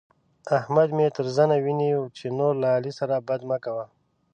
احمد مې تر زنه ونيو چې نور له علي سره بد مه کوه.